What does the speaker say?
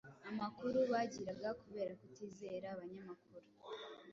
amakuru bagiraga kubera kutizera abanyamakuru